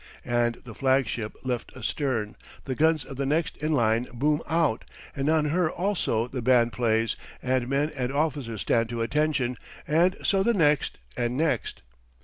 And the flag ship left astern, the guns of the next in line boom out, and on her also the band plays and men and officers stand to attention; and so the next, and next.